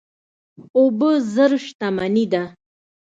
اوبه زر شتمني ده.